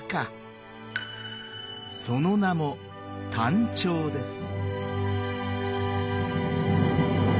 その名も「丹頂」です。